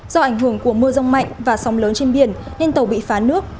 do ảnh hưởng của mưa rông mạnh và sóng lớn trên biển nên tàu bị phá nước